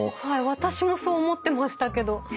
私もそう思ってましたけど。